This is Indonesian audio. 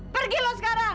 pergi lo sekarang